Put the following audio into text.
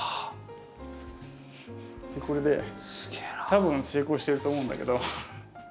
多分成功してると思うんだけど。